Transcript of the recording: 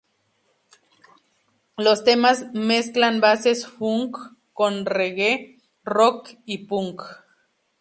Los temas mezclan bases funk con reggae, rock y punk.